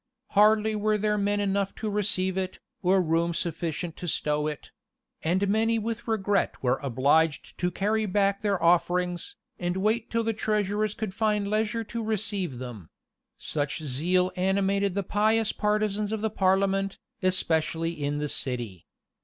Hardly were there men enough to receive it, or room sufficient to stow it; and many with regret were obliged to carry back their offerings, and wait till the treasurers could find leisure to receive them; such zeal animated the pious partisans of the parliament, especially in the city.